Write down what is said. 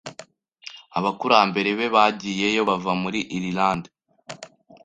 Abakurambere be bagiyeyo bava muri Irilande.